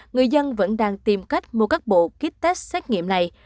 người dân vẫn đang tìm cách mua các bộ ký test xét nghiệm này